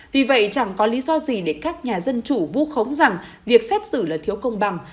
vì vậy chẳng có lý do gì để các nhà dân chủ vu khống rằng việc xét xử là thiếu công bằng